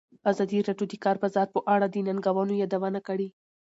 ازادي راډیو د د کار بازار په اړه د ننګونو یادونه کړې.